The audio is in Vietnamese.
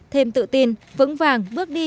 thêm tự tin vững vàng bước đi